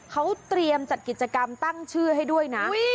เขาเตรียมจัดกิจกรรมตั้งชื่อให้ด้วยนะ